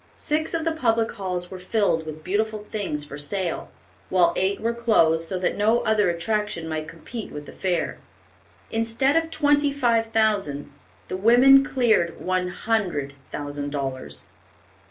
Six of the public halls were filled with beautiful things for sale, while eight were closed so that no other attractions might compete with the fair. Instead of twenty five thousand, the women cleared one hundred thousand dollars.